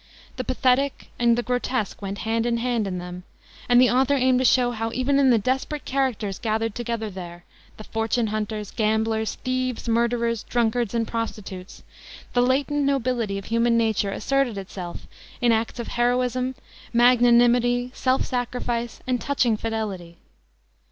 The pathetic and the grotesque went hand in hand in them, and the author aimed to show how even in the desperate characters gathered together there the fortune hunters, gamblers, thieves, murderers, drunkards, and prostitutes the latent nobility of human nature asserted itself in acts of heroism, magnanimity, self sacrifice, and touching fidelity.